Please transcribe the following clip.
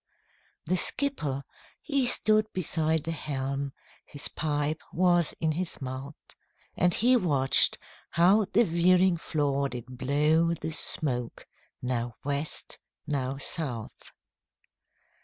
The skipper he stood beside the helm, His pipe was in his mouth, And he watched how the veering flaw did blow The smoke now West, now South.